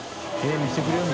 見せてくれるんだ。